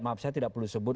maaf saya tidak perlu sebut